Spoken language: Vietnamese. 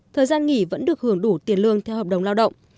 thời gian nghỉ vẫn được hưởng đủ tiền lương theo hợp đồng lao động